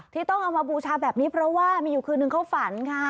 ที่ต้องเอามาบูชาแบบนี้เพราะว่ามีอยู่คืนนึงเขาฝันค่ะ